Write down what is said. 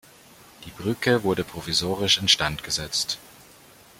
Die Brücke wurde provisorisch instand gesetzt.